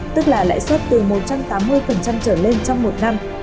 tức là lãi suất từ một trăm tám mươi trở lên trong một năm